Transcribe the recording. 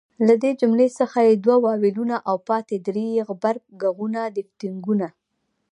له دې جملې څخه ئې دوه واولونه او پاته درې ئې غبرګ ږغونه دیفتونګونه